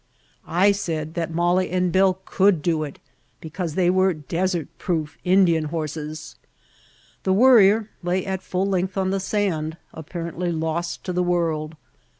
I said that Molly and Bill could do it because they were "desert proof Indian horses." The Worrier lay at full length on the sand, apparently lost to the world.